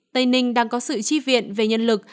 tây ninh đang có sự chi viện về nhân lực